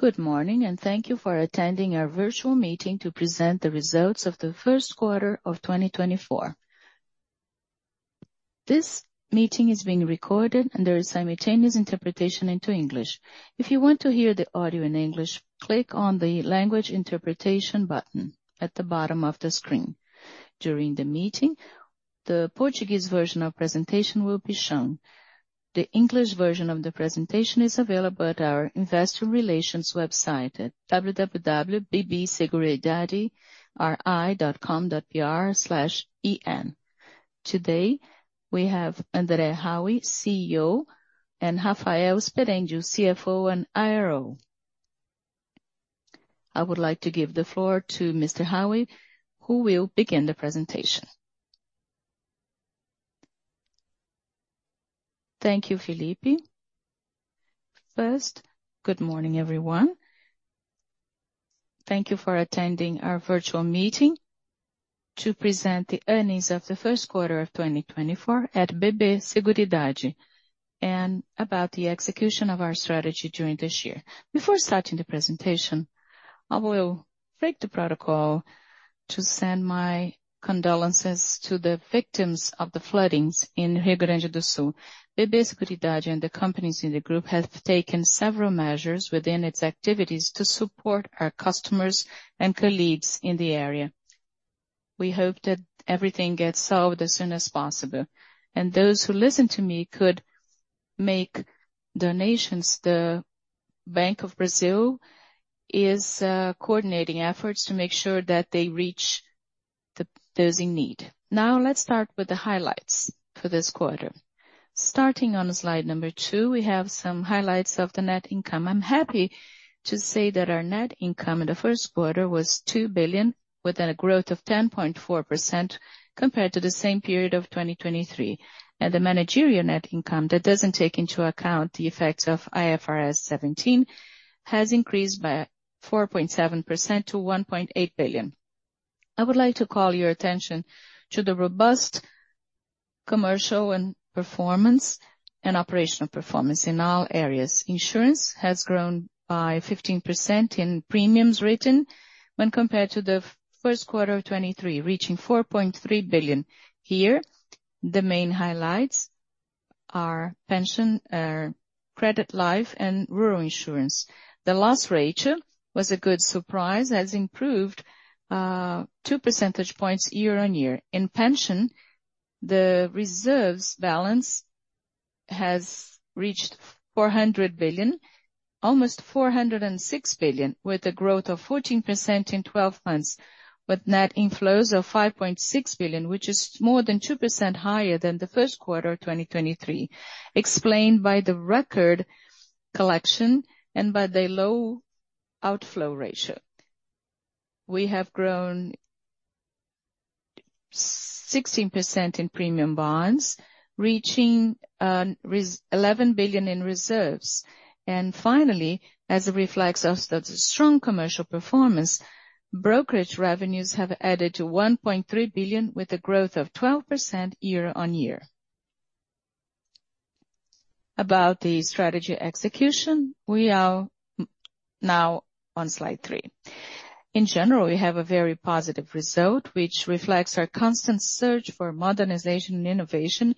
Good morning, and thank you for attending our virtual meeting to present the results of the first quarter of 2024. This meeting is being recorded, and there is simultaneous interpretation into English. If you want to hear the audio in English, click on the language interpretation button at the bottom of the screen. During the meeting, the Portuguese version of the presentation will be shown. The English version of the presentation is available at our investor relations website at www.bbseguridaderi.com.br/en. Today we have André Haui, CEO, and Rafael Speranio, CFO and IRO. I would like to give the floor to Mr. Haui, who will begin the presentation. Thank you, Felipe. First, good morning, everyone. Thank you for attending our virtual meeting to present the earnings of the first quarter of 2024 at BB Seguridade and about the execution of our strategy during this year. Before starting the presentation, I will break the protocol to send my condolences to the victims of the floods in Rio Grande do Sul. BB Seguridade and the companies in the group have taken several measures within its activities to support our customers and colleagues in the area. We hope that everything gets solved as soon as possible, and those who listen to me could make donations. Banco do Brasil is coordinating efforts to make sure that they reach those in need. Now let's start with the highlights for this quarter. Starting on slide number two, we have some highlights of the net income. I'm happy to say that our net income in the first quarter was 2 billion, with a growth of 10.4% compared to the same period of 2023. The managerial net income, that doesn't take into account the effects of IFRS 17, has increased by 4.7% to 1.8 billion. I would like to call your attention to the robust commercial and performance and operational performance in all areas. Insurance has grown by 15% in premiums written when compared to the first quarter of 2023, reaching 4.3 billion here. The main highlights are pension, credit life, and rural insurance. The loss ratio was a good surprise, has improved 2 percentage points year-on-year. In pension, the reserves balance has reached 400 billion, almost 406 billion, with a growth of 14% in 12 months, with net inflows of 5.6 billion, which is more than 2% higher than the first quarter of 2023, explained by the record collection and by the low outflow ratio. We have grown 16% in premium bonds, reaching 11 billion in reserves. Finally, as a reflex of the strong commercial performance, brokerage revenues have added to 1.3 billion, with a growth of 12% year-over-year. About the strategy execution, we are now on slide three. In general, we have a very positive result, which reflects our constant search for modernization and innovation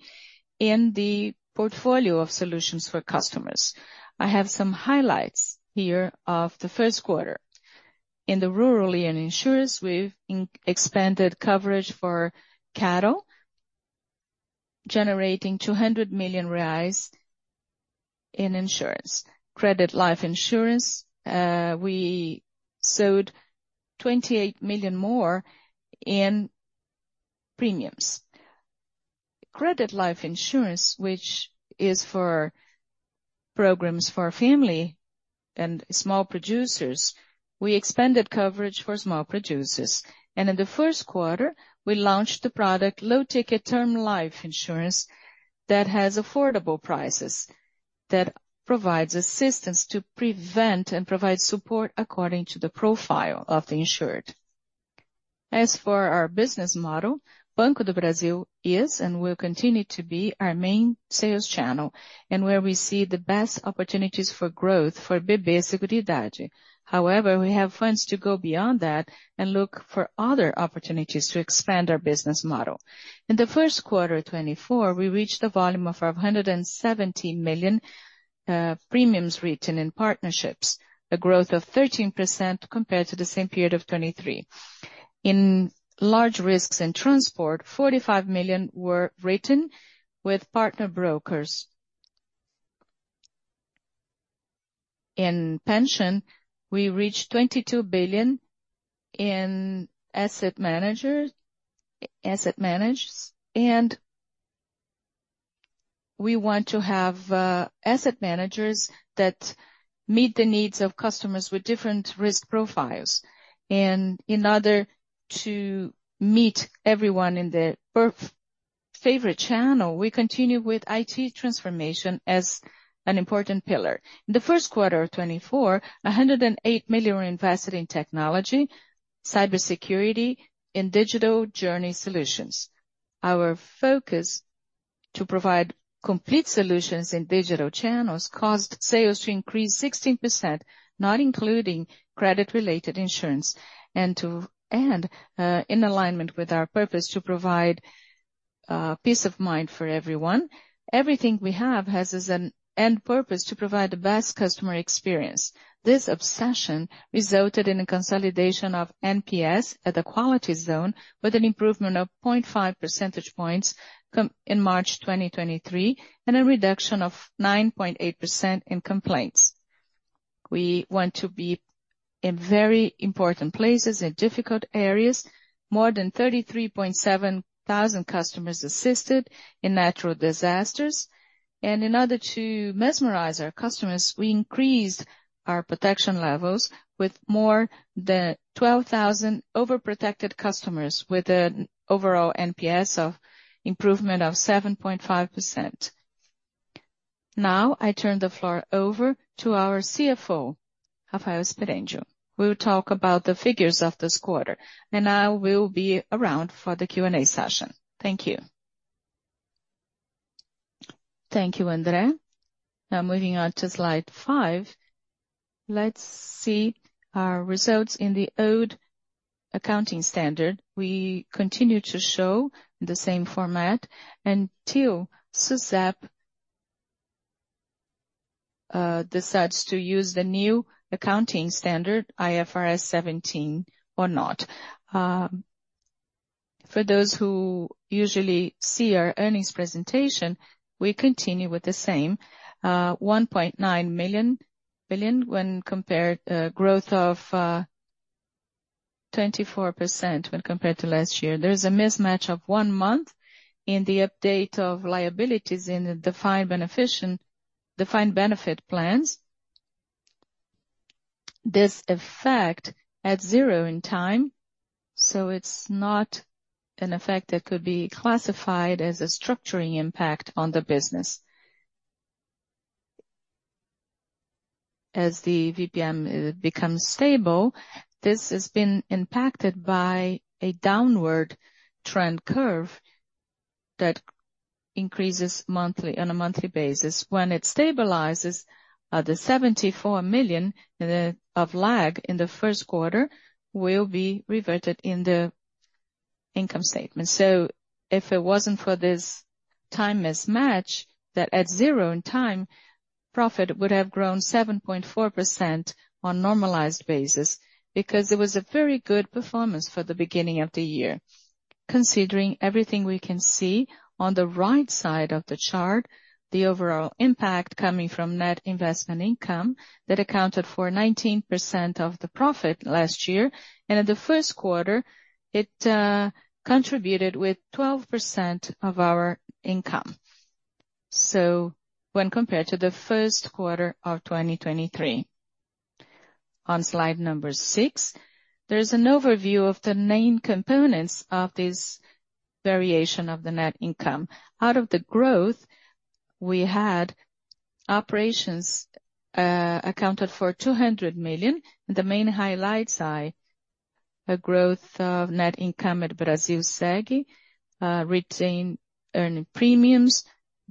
in the portfolio of solutions for customers. I have some highlights here of the first quarter. In the rural insurance, we've expanded coverage for cattle, generating 200 million reais in insurance. Credit Life Insurance, we sold 28 million more in premiums. Credit Life Insurance, which is for programs for family and small producers, we expanded coverage for small producers. And in the first quarter, we launched the product Low Ticket Term Life Insurance that has affordable prices, that provides assistance to prevent and provides support according to the profile of the insured. As for our business model, Banco do Brasil is and will continue to be our main sales channel, and where we see the best opportunities for growth for BB Seguridade. However, we have funds to go beyond that and look for other opportunities to expand our business model. In the first quarter of 2024, we reached a volume of 570 million premiums written in partnerships, a growth of 13% compared to the same period of 2023. In large risks and transport, 45 million were written with partner brokers. In pension, we reached 22 billion in asset managers, and we want to have asset managers that meet the needs of customers with different risk profiles. And in order to meet everyone in their favorite channel, we continue with IT transformation as an important pillar. In the first quarter of 2024, 108 million were invested in technology, cybersecurity, and digital journey solutions. Our focus to provide complete solutions in digital channels caused sales to increase 16%, not including credit-related insurance. In alignment with our purpose to provide peace of mind for everyone, everything we have has as an end purpose to provide the best customer experience. This obsession resulted in a consolidation of NPS at the quality zone, with an improvement of 0.5 percentage points in March 2023 and a reduction of 9.8% in complaints. We want to be in very important places in difficult areas, more than 33,700 customers assisted in natural disasters. In order to mesmerize our customers, we increased our protection levels with more than 12,000 overprotected customers, with an overall NPS of improvement of 7.5%. Now I turn the floor over to our CFO, Rafael Speranio. We will talk about the figures of this quarter, and I will be around for the Q&A session. Thank you. Thank you, André. Now moving on to slide five. Let's see our results in the old accounting standard. We continue to show in the same format until SUSEP decides to use the new accounting standard, IFRS 17, or not. For those who usually see our earnings presentation, we continue with the same, 1.9 billion when compared, growth of 24% when compared to last year. There is a mismatch of one month in the update of liabilities in the defined benefit plans. This effect at zero in time, so it's not an effect that could be classified as a structuring impact on the business. As the IGP-M becomes stable, this has been impacted by a downward trend curve that increases on a monthly basis. When it stabilizes, the 74 million of lag in the first quarter will be reverted in the income statement. So if it wasn't for this time mismatch, that at zero in time, profit would have grown 7.4% on a normalized basis because it was a very good performance for the beginning of the year. Considering everything we can see on the right side of the chart, the overall impact coming from net investment income that accounted for 19% of the profit last year, and in the first quarter, it contributed with 12% of our income. So when compared to the first quarter of 2023. On slide number six, there is an overview of the main components of this variation of the net income. Out of the growth, we had operations accounted for 200 million, and the main highlights are a growth of net income at Brasilseg, retained earned premiums,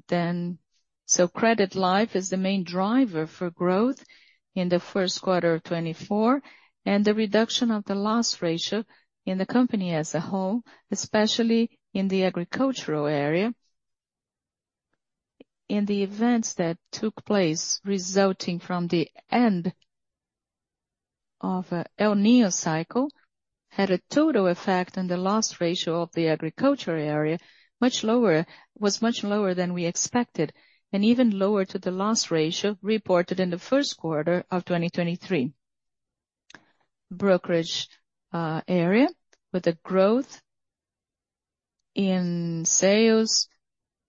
then so credit life is the main driver for growth in the first quarter of 2024, and the reduction of the loss ratio in the company as a whole, especially in the agricultural area. In the events that took place resulting from the end of an El Niño cycle, had a total effect on the loss ratio of the agricultural area, much lower, was much lower than we expected, and even lower to the loss ratio reported in the first quarter of 2023. Brokerage area, with a growth in sales,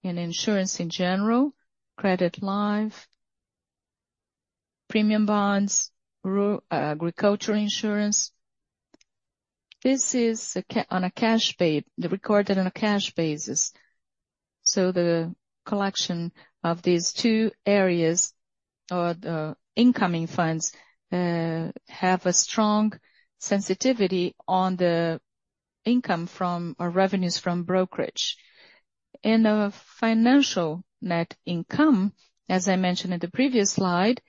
in insurance in general, credit life, premium bonds, agricultural insurance. This is on a cash basis, recorded on a cash basis. So the collection of these two areas, or the incoming funds, have a strong sensitivity on the income from or revenues from brokerage. In the financial net income, as I mentioned in the previous slide,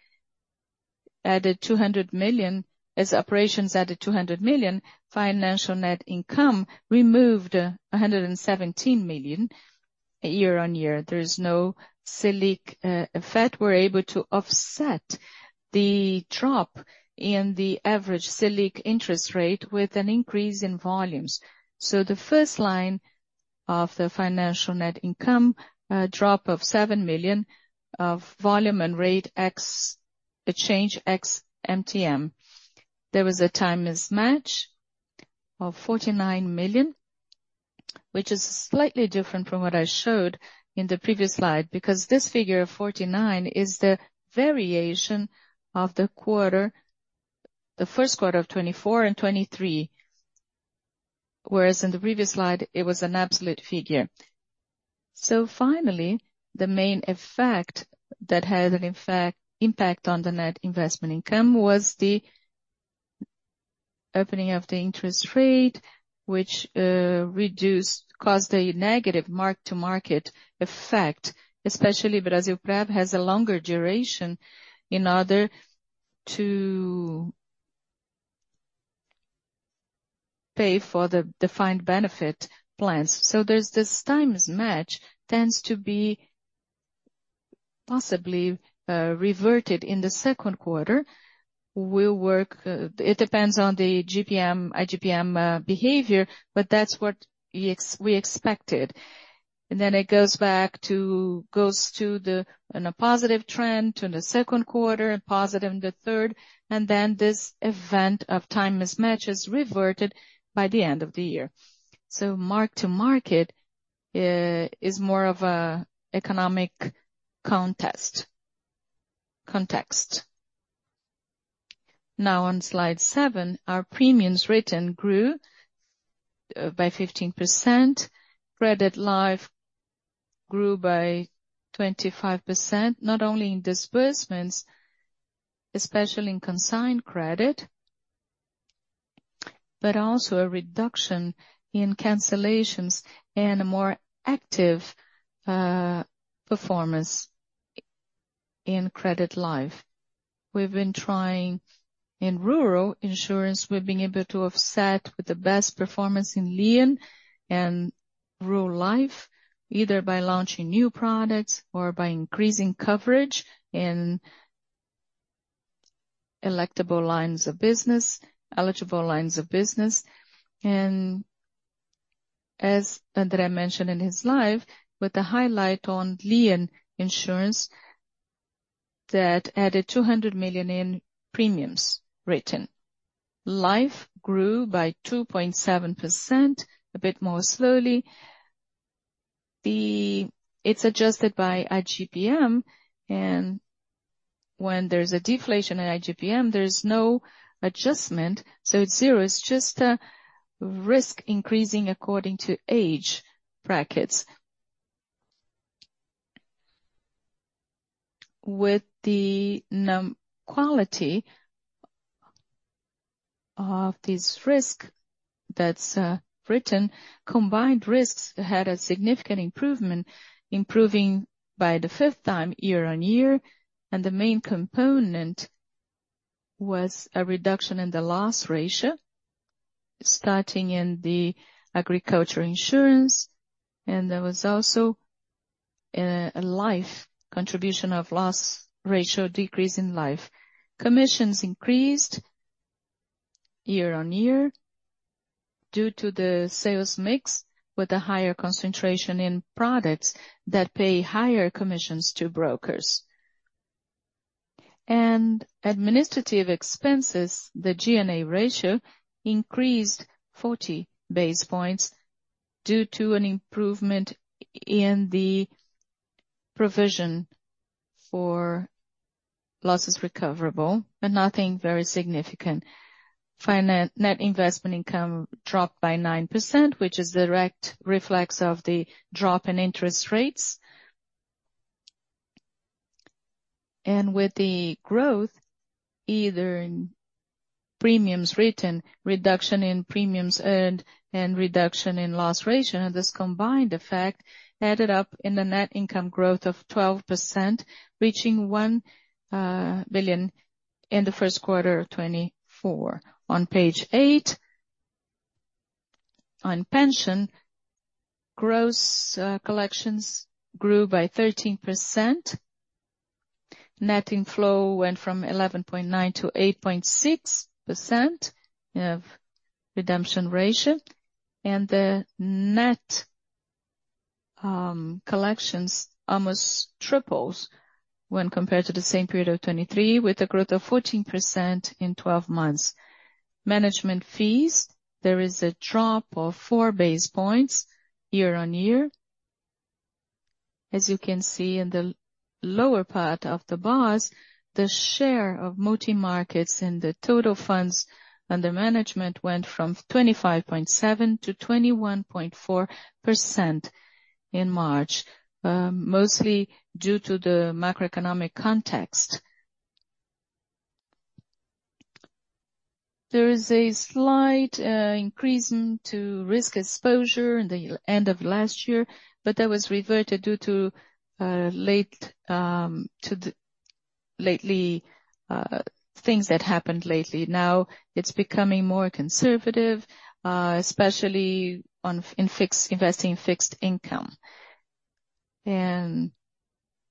added 200 million, as operations added 200 million, financial net income removed 117 million year-over-year. There is no Selic effect. We're able to offset the drop in the average Selic interest rate with an increase in volumes. So the first line of the financial net income, a drop of 7 million of volume and rate exchange ex-MTM. There was a time mismatch of 49 million, which is slightly different from what I showed in the previous slide, because this figure of 49 is the variation of the quarter, the first quarter of 2024 and 2023, whereas in the previous slide it was an absolute figure. So finally, the main effect that had an impact on the net investment income was the opening of the interest rate, which reduced, caused a negative Mark-to-Market effect, especially Brasilprev has a longer duration in order to pay for the defined benefit plans. So there's this time mismatch tends to be possibly reverted in the second quarter. Well, it depends on the IGP-M behavior, but that's what we expected. And then it goes back to, goes to the, in a positive trend in the second quarter, positive in the third, and then this event of time mismatch is reverted by the end of the year. So Mark-to-Market is more of an economic context. Now on slide seven, our premiums written grew by 15%, credit life grew by 25%, not only in disbursements, especially in consigned credit, but also a reduction in cancellations and a more active performance in credit life. We've been trying, in rural insurance, we've been able to offset with the best performance in lien and rural life, either by launching new products or by increasing coverage in electable lines of business, eligible lines of business. And as André mentioned in his slide, with a highlight on lien insurance that added 200 million in premiums written. Life grew by 2.7%, a bit more slowly. It's adjusted by IGP-M, and when there's a deflation in IGP-M, there's no adjustment, so it's zero, it's just a risk increasing according to age brackets. With the quality of these risks that's written, the combined ratio had a significant improvement, improving 5% year-over-year, and the main component was a reduction in the loss ratio, stemming from agricultural insurance, and there was also a life contribution to the loss ratio decrease in life. Commissions increased year-over-year due to the sales mix, with a higher concentration in products that pay higher commissions to brokers. Administrative expenses, the G&A ratio, increased 40 basis points due to an improvement in the provision for losses recoverable, but nothing very significant. Net investment income dropped by 9%, which is a direct reflex of the drop in interest rates. With the growth, either in premiums written, reduction in premiums earned, and reduction in loss ratio, and this combined effect added up in the net income growth of 12%, reaching 1 billion in the first quarter of 2024. On page eight, on pension, gross collections grew by 13%, net inflow went from 11.9% to 8.6% of redemption ratio, and the net collections almost tripled when compared to the same period of 2023, with a growth of 14% in 12 months. Management fees, there is a drop of 4 basis points year-over-year. As you can see in the lower part of the bars, the share of multi-markets in the total funds under management went from 25.7% to 21.4% in March, mostly due to the macroeconomic context. There is a slight increase to risk exposure in the end of last year, but that was reverted due to lately things that happened lately. Now it's becoming more conservative, especially in investing in fixed income.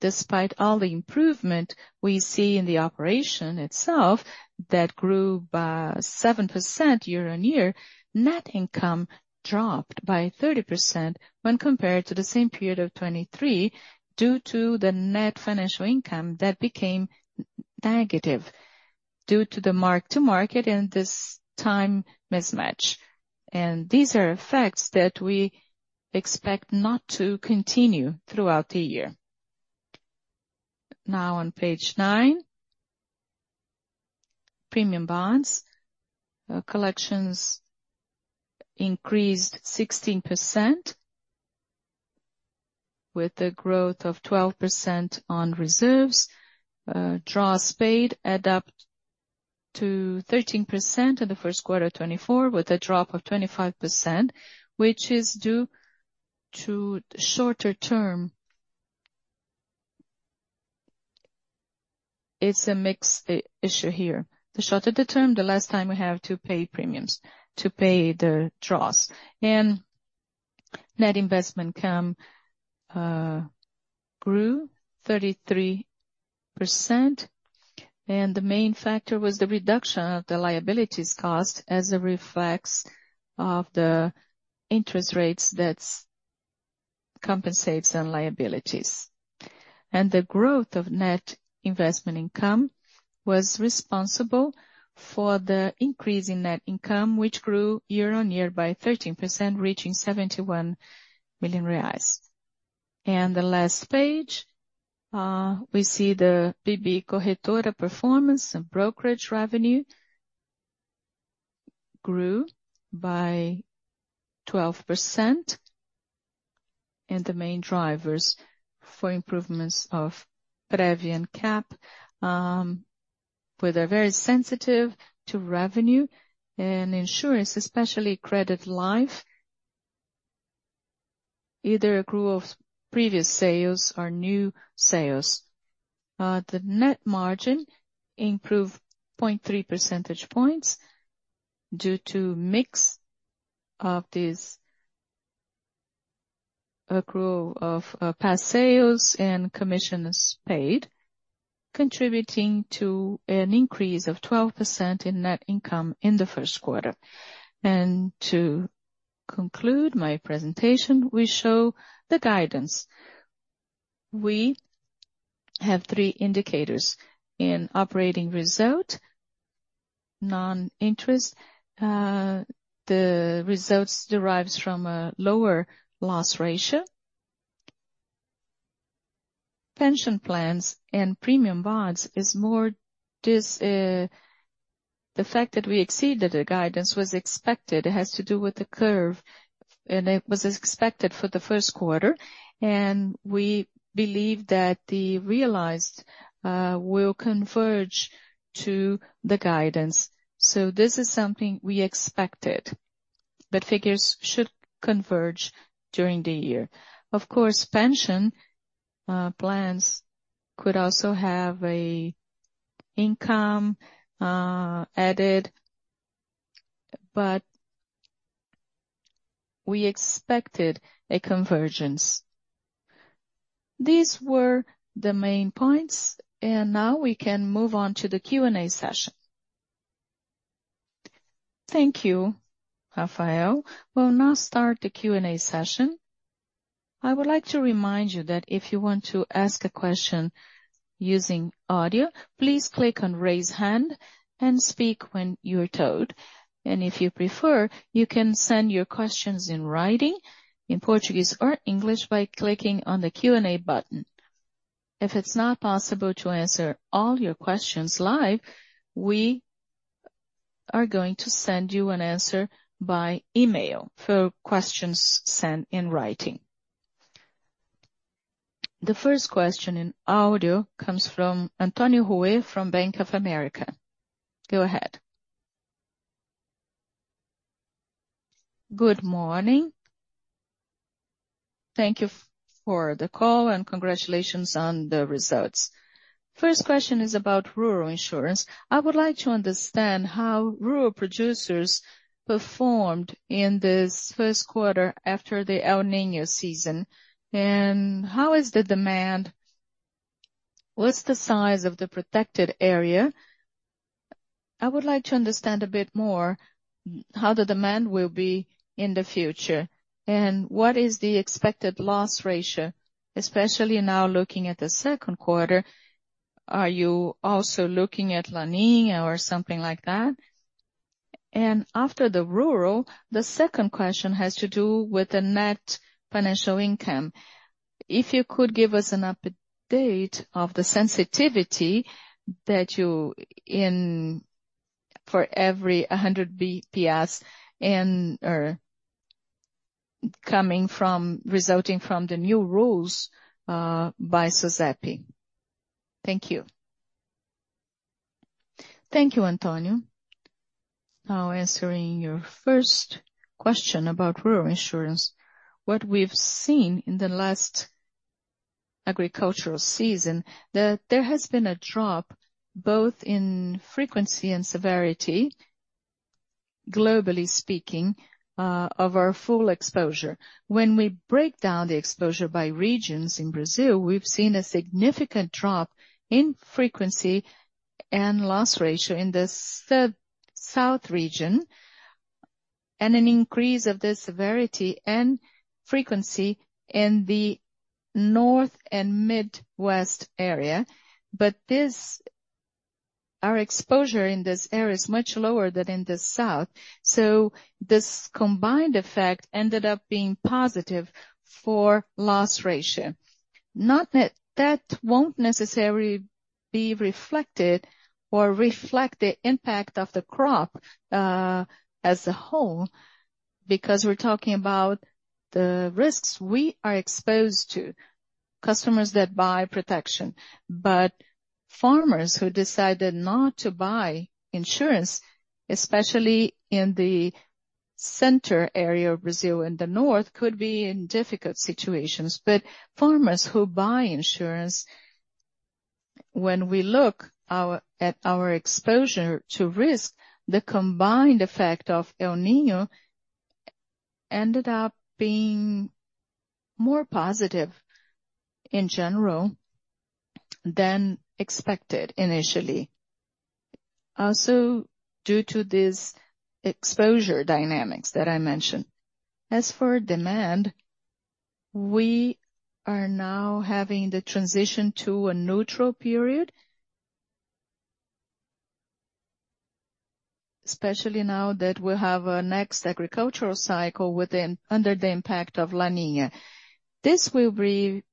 Despite all the improvement we see in the operation itself, that grew by 7% year-on-year, net income dropped by 30% when compared to the same period of 2023 due to the net financial income that became negative due to the Mark-to-Market and this time mismatch. These are effects that we expect not to continue throughout the year. Now on page nine, premium bonds collections increased 16%, with a growth of 12% on reserves. Draws paid add up to 13% in the first quarter of 2024, with a drop of 25%, which is due to shorter term. It's a mixed issue here. The shorter the term, the less time we have to pay premiums, to pay the draws. Net investment income grew 33%, and the main factor was the reduction of the liabilities cost as a reflection of the interest rates that compensate some liabilities. The growth of net investment income was responsible for the increase in net income, which grew year-on-year by 13%, reaching 71 million reais. The last page, we see the BB Corretora performance, the brokerage revenue grew by 12%, and the main drivers for improvements of PREVI and CAP, where they're very sensitive to revenue and insurance, especially credit life, either a growth of previous sales or new sales. The net margin improved 0.3 percentage points due to a mix of past sales and commissions paid, contributing to an increase of 12% in net income in the first quarter. To conclude my presentation, we show the guidance. We have three indicators. In operating result, non-interest, the results derive from a lower loss ratio. Pension plans and premium bonds is more. The fact that we exceeded the guidance was expected. It has to do with the curve, and it was expected for the first quarter, and we believe that the realized will converge to the guidance. So this is something we expected, but figures should converge during the year. Of course, pension plans could also have an income added, but we expected a convergence. These were the main points, and now we can move on to the Q&A session. Thank you, Rafael. We'll now start the Q&A session. I would like to remind you that if you want to ask a question using audio, please click on raise hand and speak when you're told. If you prefer, you can send your questions in writing, in Portuguese or English, by clicking on the Q&A button. If it's not possible to answer all your questions live, we are going to send you an answer by email for questions sent in writing. The first question in audio comes from Antonio Ruette from Bank of America. Go ahead. Good morning. Thank you for the call and congratulations on the results. First question is about rural insurance. I would like to understand how rural producers performed in this first quarter after the El Niño season, and how is the demand, what's the size of the protected area. I would like to understand a bit more how the demand will be in the future, and what is the expected loss ratio, especially now looking at the second quarter. Are you also looking at La Niña or something like that? And after the rural, the second question has to do with the net financial income. If you could give us an update of the sensitivity that you have for every 100 basis points resulting from the new rules by SUSEP. Thank you. Thank you, Antonio. Now answering your first question about rural insurance, what we've seen in the last agricultural season, that there has been a drop both in frequency and severity, globally speaking, of our full exposure. When we break down the exposure by regions in Brazil, we've seen a significant drop in frequency and loss ratio in the south region, and an increase of the severity and frequency in the north and midwest area, but our exposure in this area is much lower than in the south, so this combined effect ended up being positive for loss ratio. That won't necessarily be reflected or reflect the impact of the crop as a whole, because we're talking about the risks we are exposed to, customers that buy protection, but farmers who decided not to buy insurance, especially in the center area of Brazil, in the north, could be in difficult situations. But farmers who buy insurance, when we look at our exposure to risk, the combined effect of El Niño ended up being more positive in general than expected initially, also due to these exposure dynamics that I mentioned. As for demand, we are now having the transition to a neutral period, especially now that we have a next agricultural cycle under the impact of La Niña. This will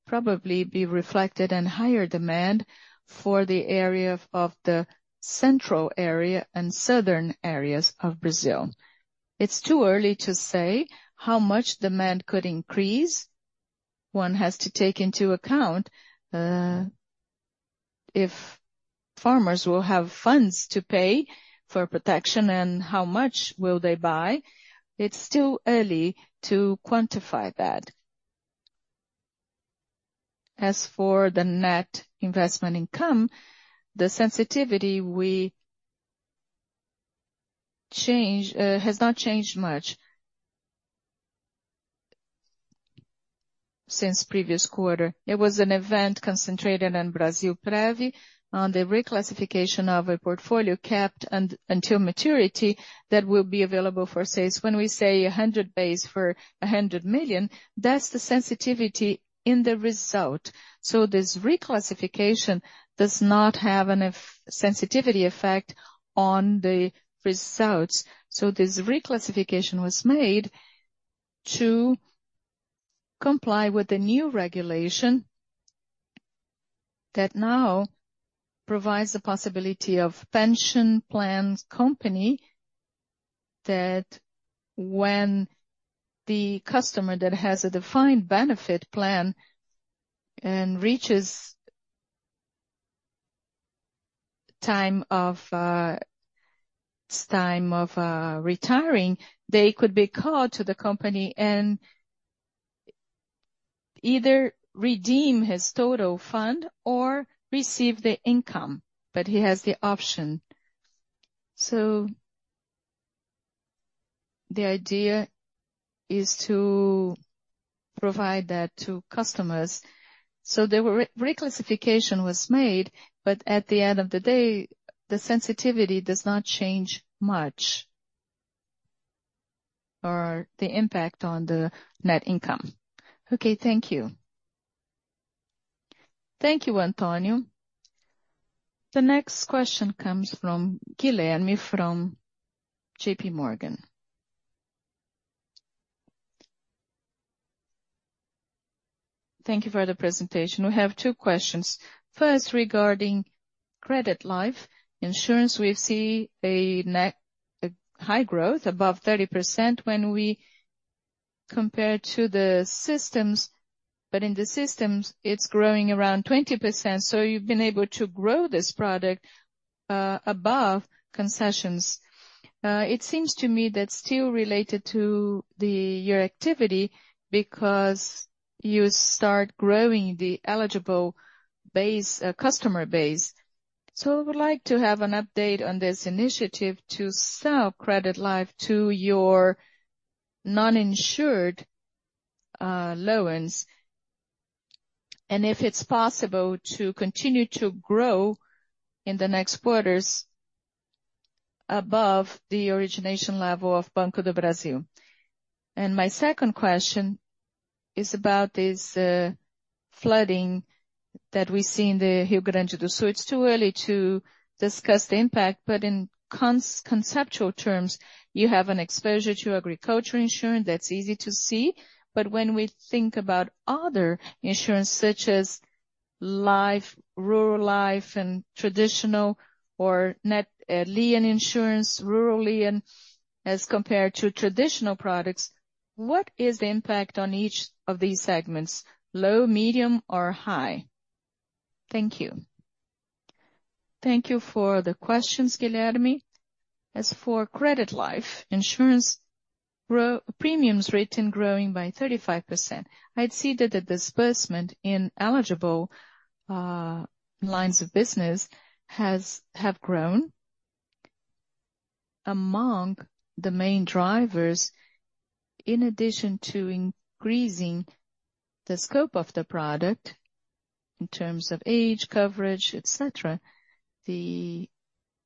probably be reflected in higher demand for the area of the central area and southern areas of Brazil. It's too early to say how much demand could increase. One has to take into account if farmers will have funds to pay for protection and how much will they buy. It's still early to quantify that. As for the net investment income, the sensitivity has not changed much since previous quarter. It was an event concentrated in Brasilprev on the reclassification of a portfolio kept until maturity that will be available for sales. When we say 100 basis for 100 million, that's the sensitivity in the result. So this reclassification does not have a sensitivity effect on the results. So this reclassification was made to comply with the new regulation that now provides the possibility of pension plan company that when the customer that has a defined benefit plan and reaches time of retiring, they could be called to the company and either redeem his total fund or receive the income, but he has the option. So the idea is to provide that to customers. So the reclassification was made, but at the end of the day, the sensitivity does not change much or the impact on the net income. Okay, thank you. Thank you, Antonio. The next question comes from Guilherme Grespan from J.P. Morgan. Thank you for the presentation. We have two questions. First, regarding credit life insurance, we see a high growth above 30% when we compare to the systems, but in the systems, it's growing around 20%, so you've been able to grow this product above concessions. It seems to me that's still related to your activity because you start growing the eligible customer base. I would like to have an update on this initiative to sell credit life to your non-insured loans, and if it's possible to continue to grow in the next quarters above the origination level of Banco do Brasil. My second question is about this flooding that we see in the Rio Grande do Sul. It's too early to discuss the impact, but in conceptual terms, you have an exposure to agriculture insurance that's easy to see, but when we think about other insurance such as rural life and traditional or rural lien insurance, rural lien, as compared to traditional products, what is the impact on each of these segments, low, medium, or high? Thank you. Thank you for the questions, Guilherme. As for credit life insurance, premiums written growing by 35%. I'd see that the disbursement in eligible lines of business have grown among the main drivers, in addition to increasing the scope of the product in terms of age, coverage, etc., the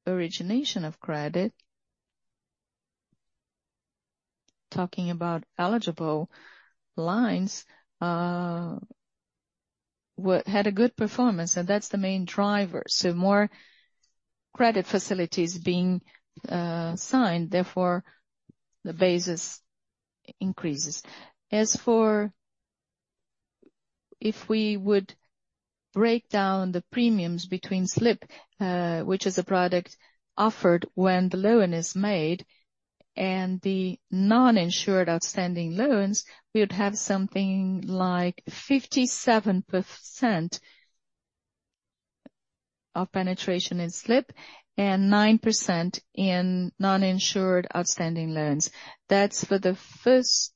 origination of credit, talking about eligible lines, had a good performance, and that's the main driver. So more credit facilities being signed, therefore, the basis increases. As for if we would break down the premiums between SLIP, which is a product offered when the loan is made, and the non-insured outstanding loans, we would have something like 57% of penetration in SLIP and 9% in non-insured outstanding loans. That's for the first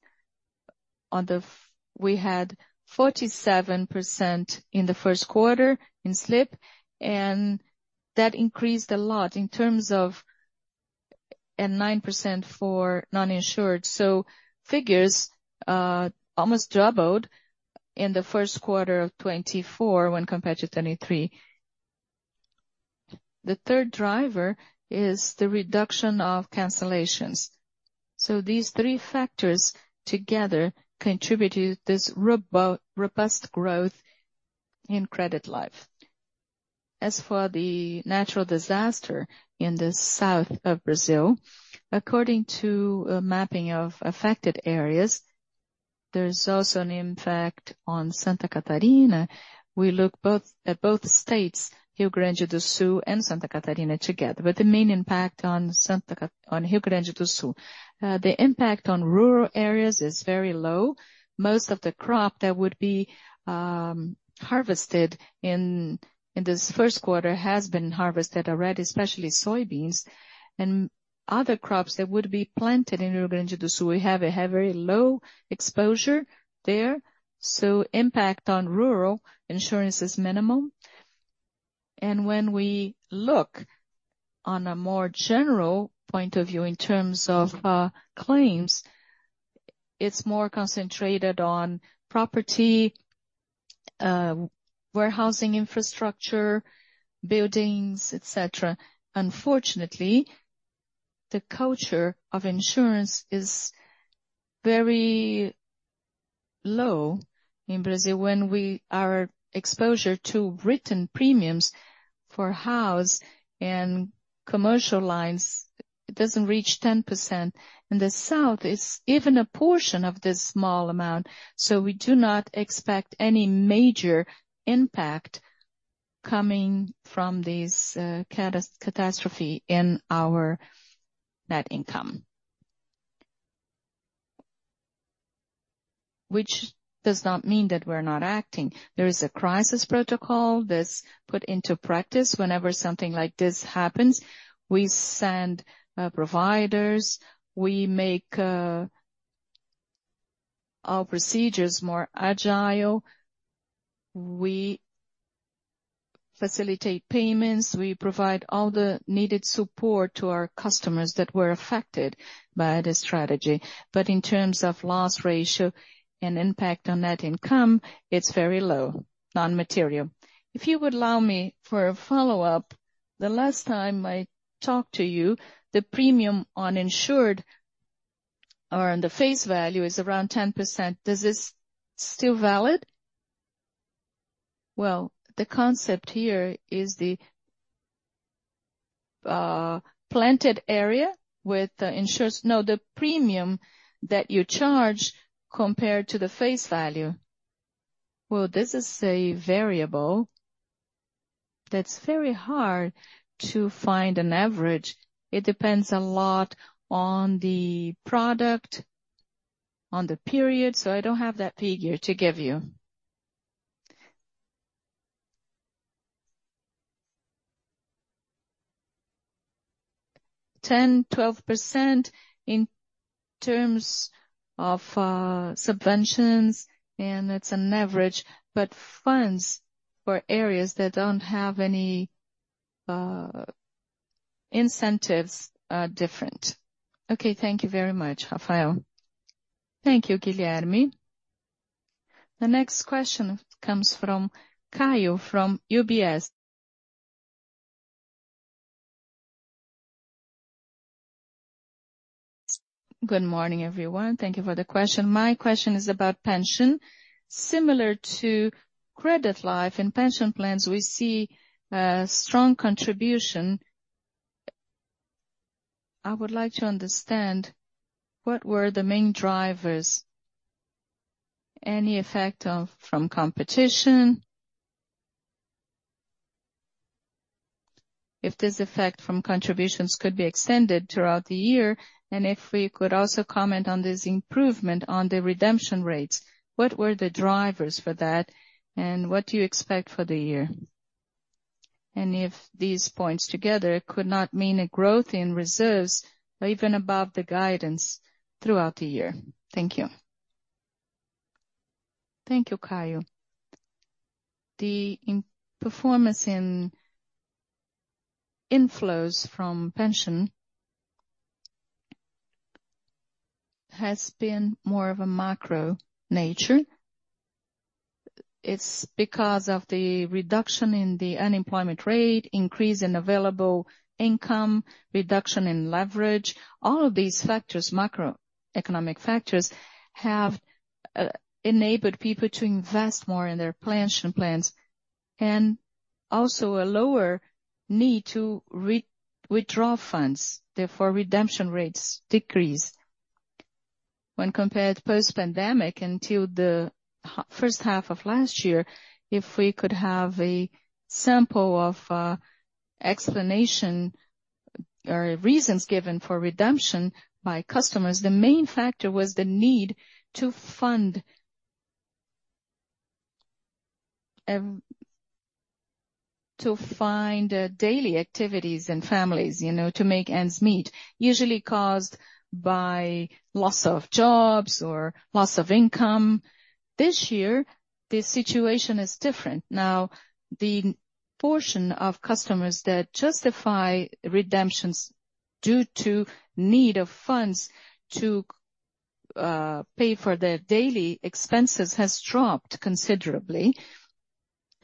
we had 47% in the first quarter in SLIP, and that increased a lot in terms of and 9% for non-insured, so figures almost doubled in the first quarter of 2024 when compared to 2023. The third driver is the reduction of cancellations. So these three factors together contributed to this robust growth in credit life. As for the natural disaster in the south of Brazil, according to a mapping of affected areas, there's also an impact on Santa Catarina. We look at both states, Rio Grande do Sul and Santa Catarina together, with the main impact on Rio Grande do Sul. The impact on rural areas is very low. Most of the crop that would be harvested in this first quarter has been harvested already, especially soybeans, and other crops that would be planted in Rio Grande do Sul, we have a very low exposure there, so impact on rural insurance is minimal. And when we look on a more general point of view in terms of claims, it's more concentrated on property, warehousing infrastructure, buildings, etc. Unfortunately, the culture of insurance is very low in Brazil. When we are exposed to written premiums for house and commercial lines, it doesn't reach 10%. In the south, it's even a portion of this small amount, so we do not expect any major impact coming from this catastrophe in our net income. Which does not mean that we're not acting. There is a crisis protocol that's put into practice. Whenever something like this happens, we send providers, we make our procedures more agile, we facilitate payments, we provide all the needed support to our customers that were affected by this strategy. But in terms of loss ratio and impact on net income, it's very low, non-material. If you would allow me for a follow-up, the last time I talked to you, the premium on insured or on the face value is around 10%. Is this still valid? Well, the concept here is the planted area with the insurance, no, the premium that you charge compared to the face value. Well, this is a variable that's very hard to find an average. It depends a lot on the product, on the period, so I don't have that figure to give you. 10%-12% in terms of subventions, and it's an average, but funds for areas that don't have any incentives are different. Okay, thank you very much, Rafael. Thank you, Guilherme. The next question comes from Kaio from UBS. Good morning, everyone. Thank you for the question. My question is about pension. Similar to credit life and pension plans, we see a strong contribution. I would like to understand what were the main drivers, any effect from competition, if this effect from contributions could be extended throughout the year, and if we could also comment on this improvement on the redemption rates. What were the drivers for that, and what do you expect for the year? And if these points together could not mean a growth in reserves even above the guidance throughout the year. Thank you. Thank you, Kaio. The performance in inflows from pension has been more of a macro nature. It's because of the reduction in the unemployment rate, increase in available income, reduction in leverage. All of these factors, macroeconomic factors, have enabled people to invest more in their pension plans and also a lower need to withdraw funds. Therefore, redemption rates decrease. When compared post-pandemic until the first half of last year, if we could have a sample of explanation or reasons given for redemption by customers, the main factor was the need to fund daily activities in families, to make ends meet, usually caused by loss of jobs or loss of income. This year, the situation is different. Now, the portion of customers that justify redemptions due to need of funds to pay for their daily expenses has dropped considerably,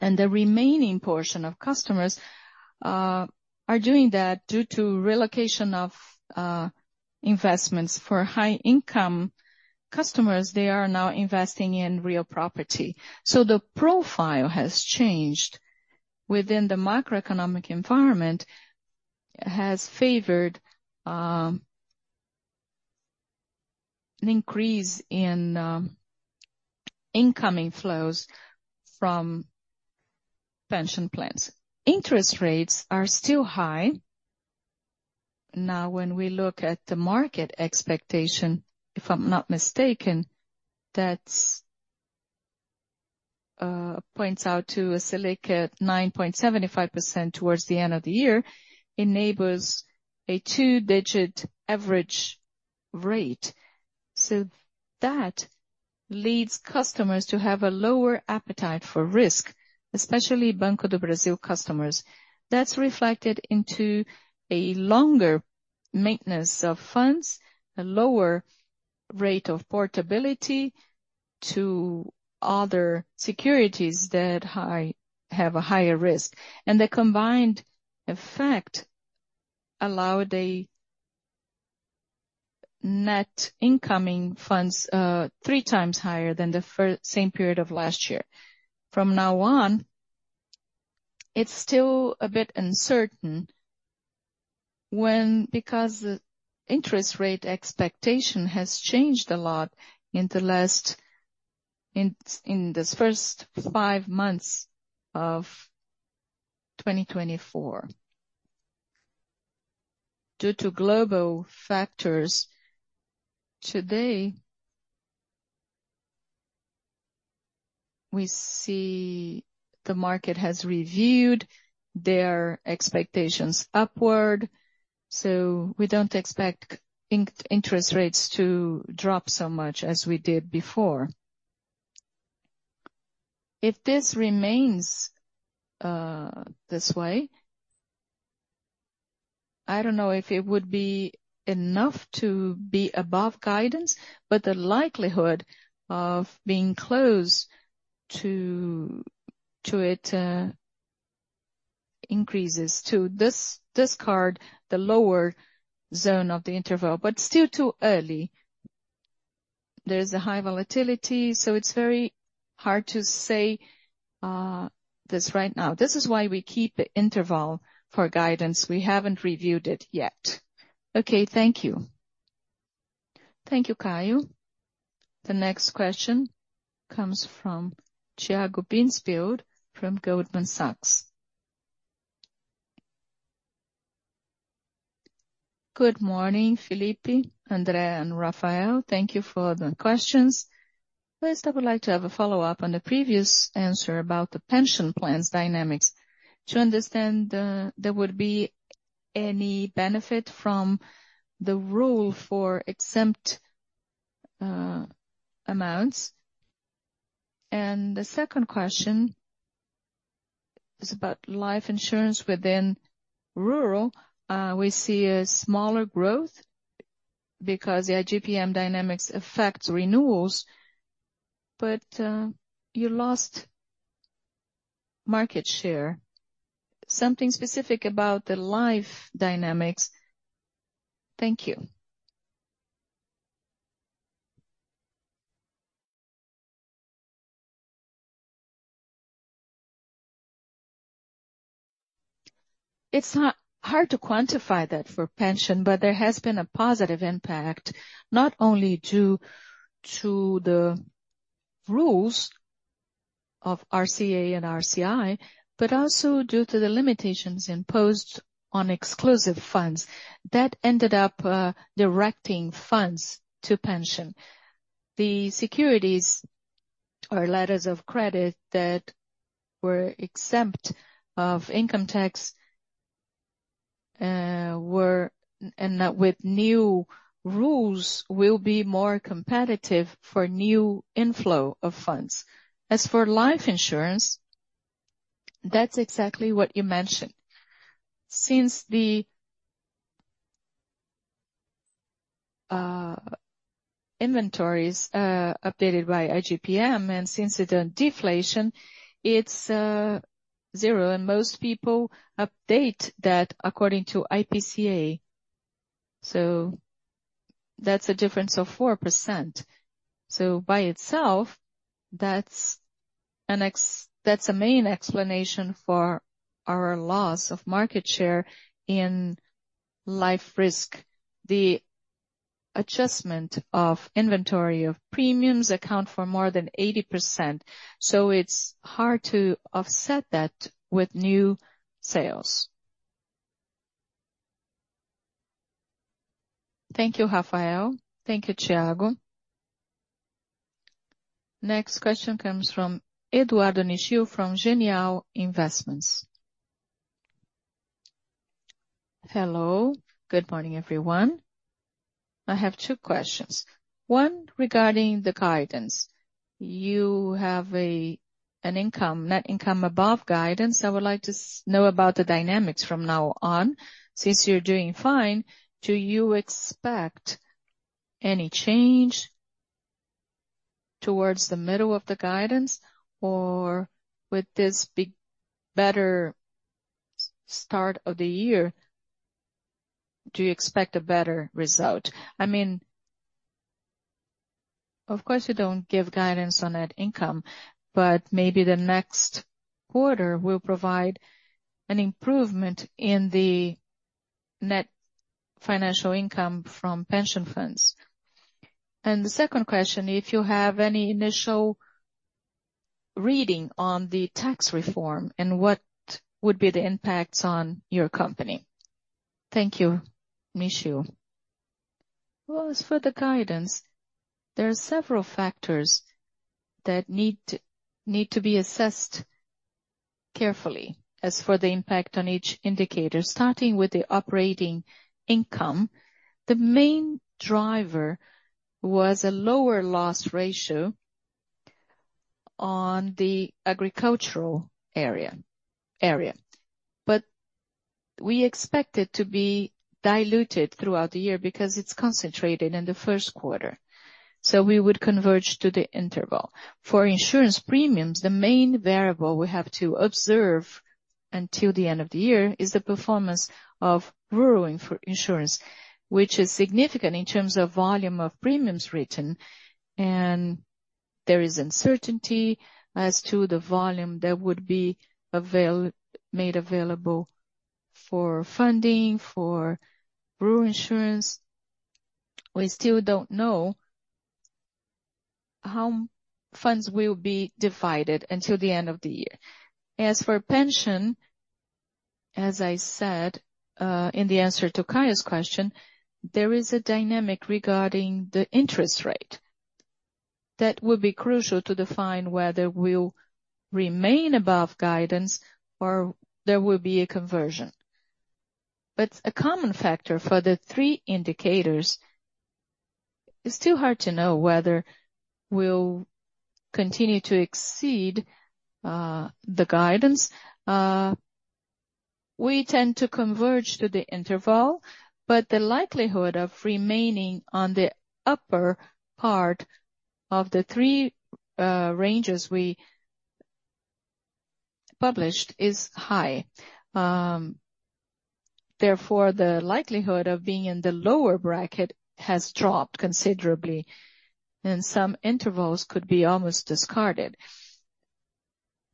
and the remaining portion of customers are doing that due to relocation of investments. For high-income customers, they are now investing in real property. So the profile has changed within the macroeconomic environment, has favored an increase in incoming flows from pension plans. Interest rates are still high. Now, when we look at the market expectation, if I'm not mistaken, that points out to a Selic at 9.75% towards the end of the year, enables a two-digit average rate. So that leads customers to have a lower appetite for risk, especially Banco do Brasil customers. That's reflected into a longer maintenance of funds, a lower rate of portability to other securities that have a higher risk. And the combined effect allowed a net incoming funds 3x higher than the same period of last year. From now on, it's still a bit uncertain because the interest rate expectation has changed a lot in this first five months of 2024. Due to global factors, today, we see the market has reviewed their expectations upward, so we don't expect interest rates to drop so much as we did before. If this remains this way, I don't know if it would be enough to be above guidance, but the likelihood of being close to it increases. To discard the lower zone of the interval, but still too early. There's a high volatility, so it's very hard to say this right now. This is why we keep the interval for guidance. We haven't reviewed it yet. Okay, thank you. Thank you, Kaio. The next question comes from Tiago Binsfeld from Goldman Sachs. Good morning, Felipe, André, and Rafael. Thank you for the questions. First, I would like to have a follow-up on the previous answer about the pension plans dynamics. To understand, there would be any benefit from the rule for exempt amounts? And the second question is about life insurance within rural. We see a smaller growth because the IGP-M dynamics affects renewals, but you lost market share, something specific about the life dynamics? Thank you. It's hard to quantify that for pension, but there has been a positive impact, not only due to the rules of LCA and LCI, but also due to the limitations imposed on exclusive funds that ended up directing funds to pension. The securities or letters of credit that were exempt of income tax and with new rules will be more competitive for new inflow of funds. As for life insurance, that's exactly what you mentioned. Since the inventories updated by IGP-M and since the deflation, it's zero, and most people update that according to IPCA. So that's a difference of 4%. So by itself, that's the main explanation for our loss of market share in life risk. The adjustment of inventory of premiums accounts for more than 80%, so it's hard to offset that with new sales. Thank you, Rafael. Thank you, Tiago. Next question comes from Eduardo Nishio from Genial Investments. Hello. Good morning, everyone. I have two questions. One, regarding the guidance. You have an income, net income above guidance. I would like to know about the dynamics from now on. Since you're doing fine, do you expect any change towards the middle of the guidance, or with this better start of the year, do you expect a better result? I mean, of course, you don't give guidance on net income, but maybe the next quarter will provide an improvement in the net financial income from pension funds. The second question, if you have any initial reading on the tax reform and what would be the impacts on your company? Thank you, Nishio. Well, as for the guidance, there are several factors that need to be assessed carefully as for the impact on each indicator, starting with the operating income. The main driver was a lower loss ratio on the agricultural area, but we expect it to be diluted throughout the year because it's concentrated in the first quarter, so we would converge to the interval. For insurance premiums, the main variable we have to observe until the end of the year is the performance of rural insurance, which is significant in terms of volume of premiums written, and there is uncertainty as to the volume that would be made available for funding for rural insurance. We still don't know how funds will be divided until the end of the year. As for pension, as I said in the answer to Kaio's question, there is a dynamic regarding the interest rate. That would be crucial to define whether we'll remain above guidance or there will be a conversion. But a common factor for the three indicators, it's still hard to know whether we'll continue to exceed the guidance. We tend to converge to the interval, but the likelihood of remaining on the upper part of the three ranges we published is high. Therefore, the likelihood of being in the lower bracket has dropped considerably, and some intervals could be almost discarded.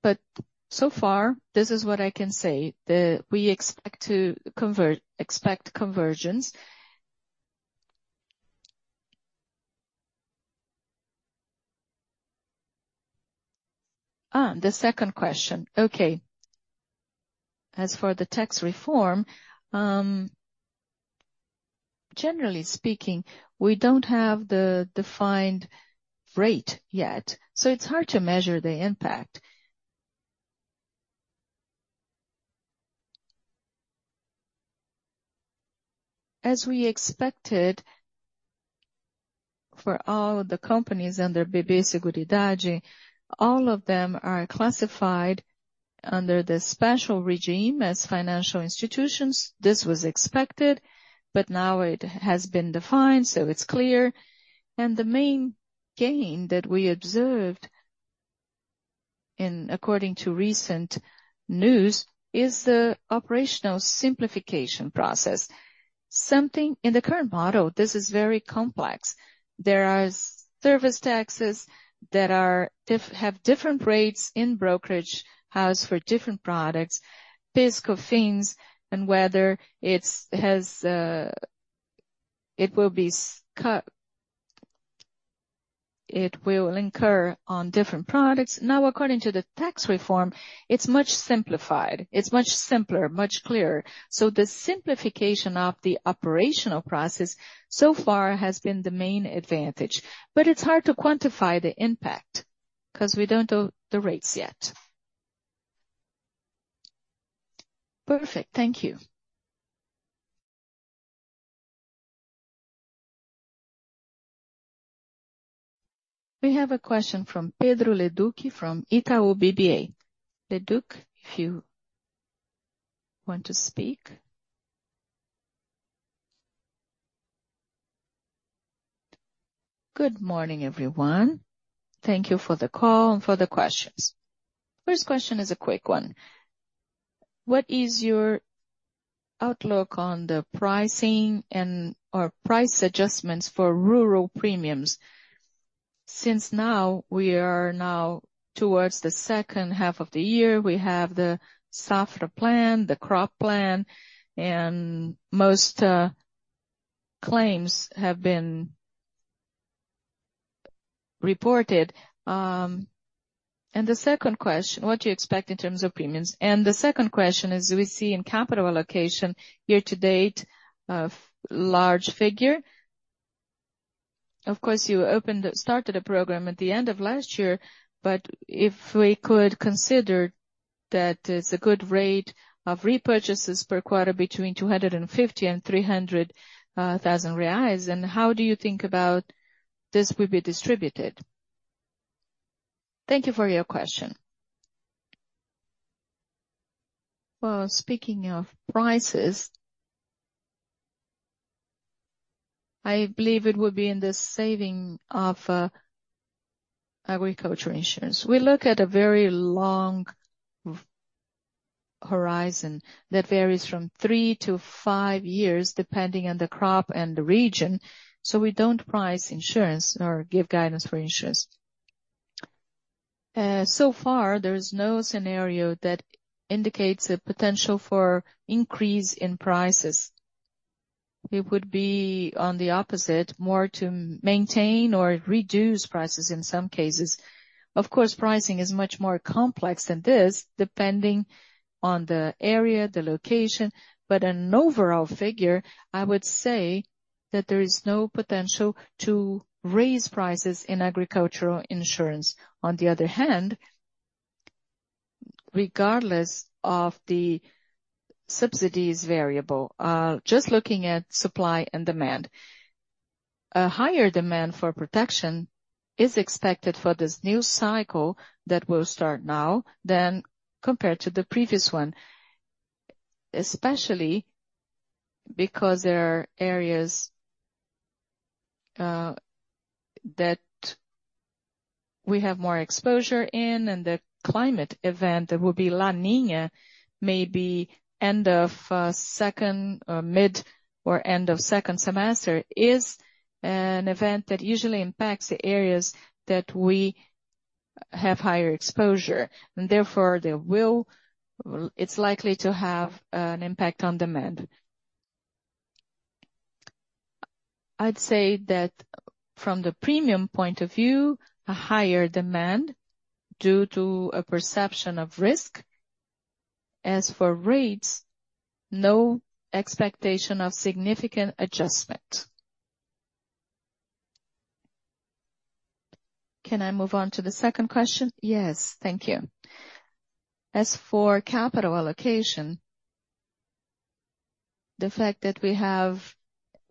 But so far, this is what I can say. We expect conversions. The second question. Okay. As for the tax reform, generally speaking, we don't have the defined rate yet, so it's hard to measure the impact. As we expected for all the companies under BB Seguridade, all of them are classified under the special regime as financial institutions. This was expected, but now it has been defined, so it's clear. The main gain that we observed, according to recent news, is the operational simplification process. In the current model, this is very complex. There are service taxes that have different rates in brokerage house for different products, PIS/COFINS, and whether it will incur on different products. Now, according to the tax reform, it's much simplified. It's much simpler, much clearer. So the simplification of the operational process so far has been the main advantage, but it's hard to quantify the impact because we don't know the rates yet. Perfect. Thank you. We have a question from Pedro Leduc from Itaú BBA. Leduc, if you want to speak. Good morning, everyone. Thank you for the call and for the questions. First question is a quick one. What is your outlook on the pricing and/or price adjustments for rural premiums? Since we are now towards the second half of the year, we have the Safra Plan, the crop plan, and most claims have been reported. The second question, what do you expect in terms of premiums? The second question is, do we see in capital allocation year-to-date a large figure? Of course, you started a program at the end of last year, but if we could consider that it's a good rate of repurchases per quarter between 250,000-300,000 reais, then how do you think about this would be distributed? Thank you for your question. Well, speaking of prices, I believe it would be in the saving of agriculture insurance. We look at a very long horizon that varies from three to five years depending on the crop and the region, so we don't price insurance or give guidance for insurance. So far, there's no scenario that indicates a potential for increase in prices. It would be on the opposite, more to maintain or reduce prices in some cases. Of course, pricing is much more complex than this depending on the area, the location, but an overall figure, I would say that there is no potential to raise prices in agricultural insurance. On the other hand, regardless of the subsidies variable, just looking at supply and demand, a higher demand for protection is expected for this new cycle that will start now than compared to the previous one, especially because there are areas that we have more exposure in, and the climate event that will be La Niña, maybe end of second or mid or end of second semester, is an event that usually impacts the areas that we have higher exposure, and therefore, it's likely to have an impact on demand. I'd say that from the premium point of view, a higher demand due to a perception of risk. As for rates, no expectation of significant adjustment. Can I move on to the second question? Yes, thank you. As for capital allocation, the fact that we have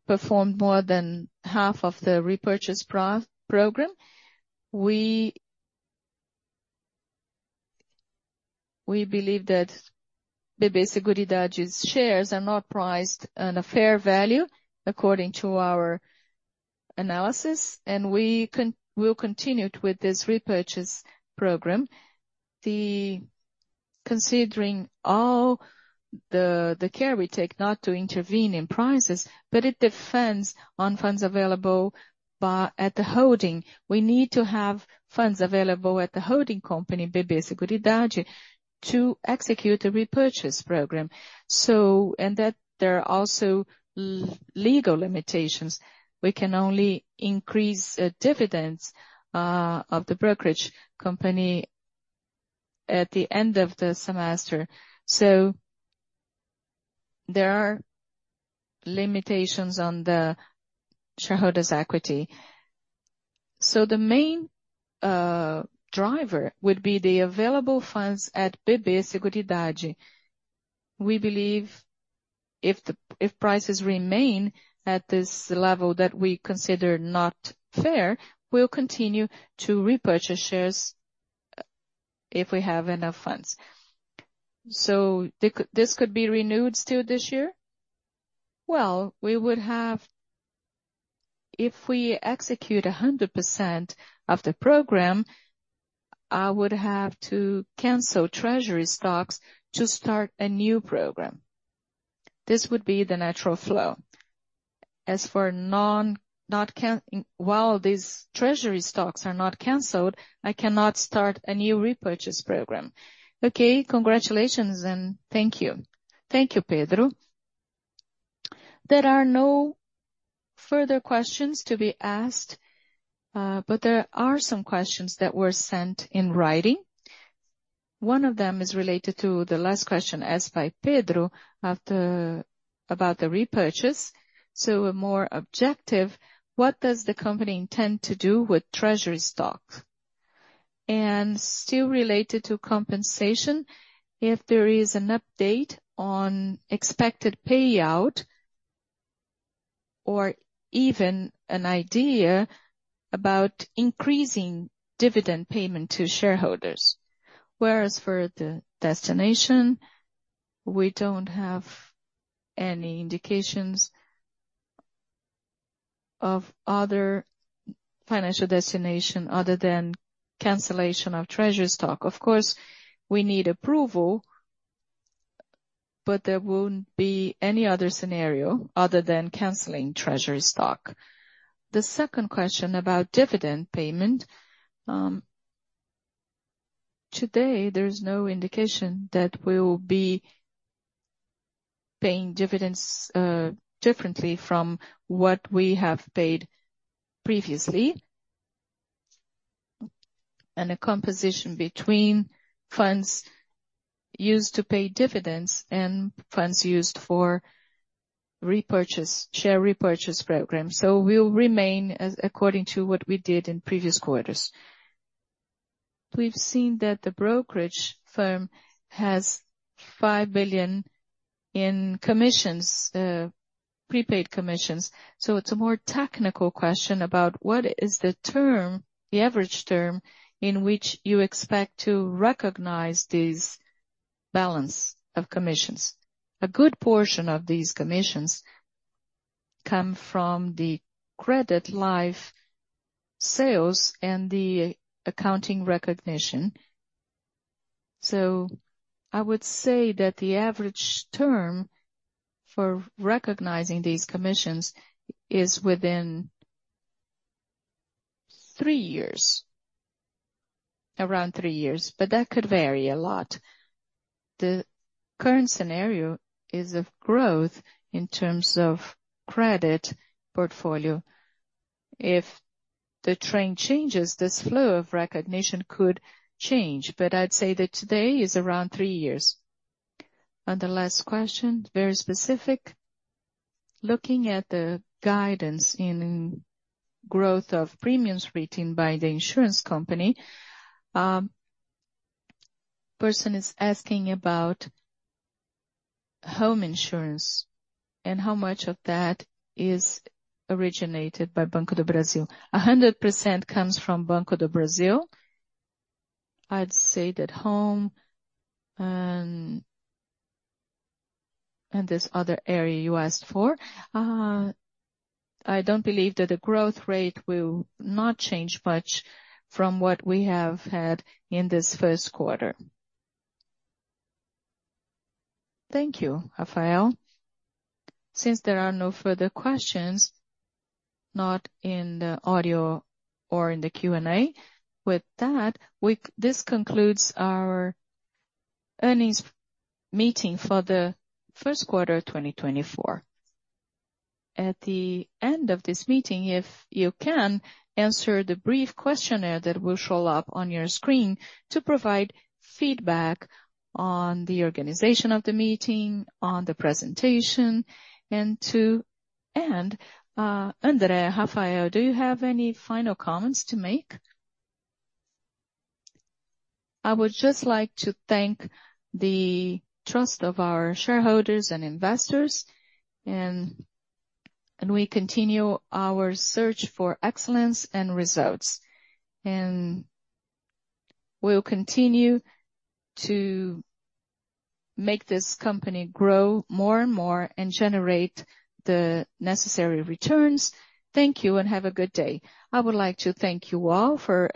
performed more than half of the repurchase program, we believe that BB Seguridade's shares are not priced on a fair value according to our analysis, and we will continue with this repurchase program considering all the care we take not to intervene in prices, but it depends on funds available at the holding. We need to have funds available at the holding company, BB Seguridade, to execute a repurchase program. There are also legal limitations. We can only increase dividends of the brokerage company at the end of the semester, so there are limitations on the shareholders' equity. The main driver would be the available funds at BB Seguridade. We believe if prices remain at this level that we consider not fair, we'll continue to repurchase shares if we have enough funds. So this could be renewed still this year? Well, if we execute 100% of the program, I would have to cancel treasury stocks to start a new program. This would be the natural flow. While these treasury stocks are not canceled, I cannot start a new repurchase program. Okay, congratulations and thank you. Thank you, Pedro. There are no further questions to be asked, but there are some questions that were sent in writing. One of them is related to the last question asked by Pedro about the repurchase, so a more objective, what does the company intend to do with treasury stocks? And still related to compensation, if there is an update on expected payout or even an idea about increasing dividend payment to shareholders. Whereas for the destination, we don't have any indications of other financial destination other than cancellation of treasury stock. Of course, we need approval, but there won't be any other scenario other than canceling treasury stock. The second question about dividend payment. Today, there's no indication that we'll be paying dividends differently from what we have paid previously, and a composition between funds used to pay dividends and funds used for share repurchase program, so we'll remain according to what we did in previous quarters. We've seen that the brokerage firm has 5 billion in prepaid commissions, so it's a more technical question about what is the average term in which you expect to recognize this balance of commissions. A good portion of these commissions come from the credit life sales and the accounting recognition, so I would say that the average term for recognizing these commissions is within three years, around three years, but that could vary a lot. The current scenario is of growth in terms of credit portfolio. If the trend changes, this flow of recognition could change, but I'd say that today is around three years. The last question, very specific. Looking at the guidance in growth of premiums written by the insurance company, the person is asking about home insurance and how much of that is originated by Banco do Brasil. 100% comes from Banco do Brasil. I'd say that home and this other area you asked for, I don't believe that the growth rate will not change much from what we have had in this first quarter. Thank you, Rafael. Since there are no further questions, not in the audio or in the Q&A, with that, this concludes our earnings meeting for the first quarter of 2024.At the end of this meeting, if you can, answer the brief questionnaire that will show up on your screen to provide feedback on the organization of the meeting, on the presentation, and to end, André, Rafael, do you have any final comments to make? I would just like to thank the trust of our shareholders and investors, and we continue our search for excellence and results, and we'll continue to make this company grow more and more and generate the necessary returns. Thank you and have a good day. I would like to thank you all for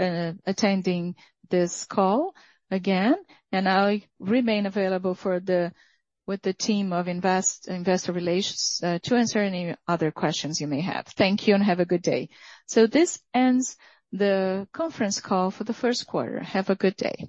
attending this call again, and I'll remain available with the team of investor relations to answer any other questions you may have. Thank you and have a good day. So this ends the conference call for the first quarter. Have a good day.